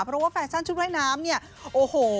เพราะว่าแฟชั่นชุดไล่น้ำนี่โอ้โฮ